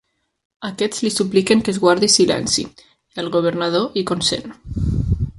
Aquests li supliquen que es guardi silenci, i el governador hi consent.